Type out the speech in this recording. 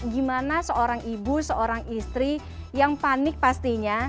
gimana seorang ibu seorang istri yang panik pastinya